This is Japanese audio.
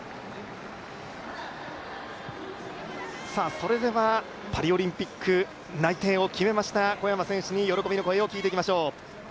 それでは、パリオリンピック内定を決めました小山選手に喜びの声を聞いていきましょう。